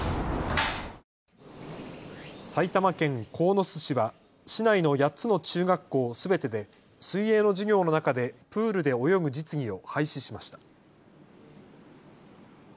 埼玉県鴻巣市は市内の８つの中学校すべてで水泳の授業の中でプールで泳ぐ実技を廃止しました。